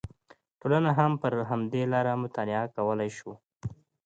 ټولنه هم پر همدې لاره مطالعه کولی شو